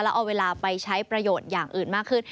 แล้วเอาเวลาไปใช้ประโยชน์อย่างอื่นมากขึ้น